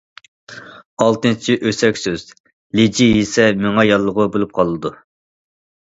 ئالتىنچى ئۆسەك سۆز: لىجى يېسە مېڭە ياللۇغى بولۇپ قالىدۇ.